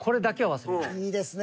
いいですね。